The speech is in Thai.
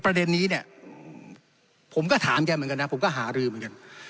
ประเด็นนี้เนี่ยผมก็ถามแกเหมือนกันนะผมก็หารือเหมือนกัน